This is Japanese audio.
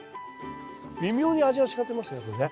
微妙に味が違ってますねこれね。